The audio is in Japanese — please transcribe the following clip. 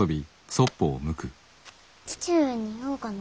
父上に言おうかな。